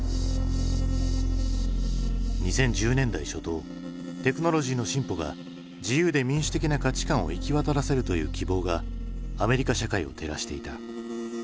２０１０年代初頭テクノロジーの進歩が自由で民主的な価値観を行き渡らせるという希望がアメリカ社会を照らしていた。